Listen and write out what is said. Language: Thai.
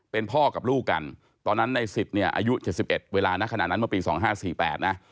เป็นพ่อกับลูกกันตอนนั้นในสิทธิ์เนี่ยอายุ๗๑เวลานะขณะนั้นเมื่อปี๒๕๔๘นะ